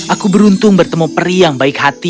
aku beruntung bertemu peri yang baik hati